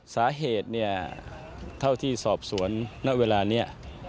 สาเหตุเนี่ยเท่าที่สอบสวนณเวลานี้